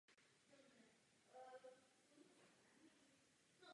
S písní ""Turn On The Light"" neuspěla.